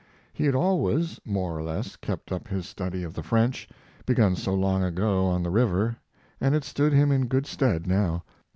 He had always, more or less, kept up his study of the French, begun so long ago on the river and it stood him in good stead now.